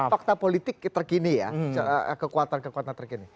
fakta politik terkini ya kekuatan kekuatan terkini